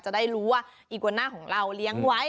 จะได้รู้ว่าอีกวาน่าของเราเลี้ยงไว้